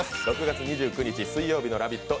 ６月２９日水曜日の「ラヴィット！」